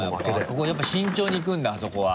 ここやっぱ慎重にいくんだあそこは。